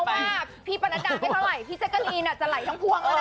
ไม่น้องว่าพี่ปนัดดาไม่เท่าไหร่พี่เซ็กเกอร์ลีนจะไหลทั้งพวงแล้วนะ